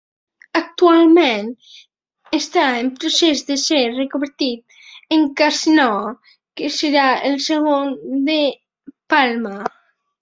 Actualment està en procés de ser reconvertit en casino, que serà el segon de Palma.